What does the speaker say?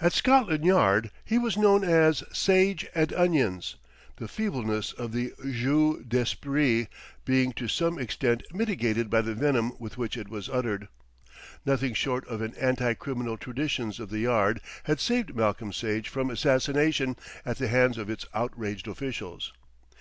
At Scotland Yard he was known as "Sage and Onions," the feebleness of the jeu d'esprit being to some extent mitigated by the venom with which it was uttered. Nothing short of the anti criminal traditions of the Yard had saved Malcolm Sage from assassination at the hands of its outraged officials.